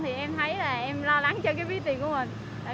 thì em thấy là em lo lắng cho cái ví tiền của mình